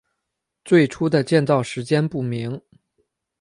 最初的建造时间不明。